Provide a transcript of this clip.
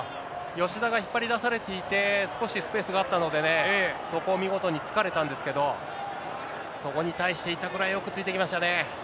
吉田が引っ張り出されていて、少しスペースがあったのでね、そこを見事につかれたんですけど、そこに対して板倉、よくついていきましたね。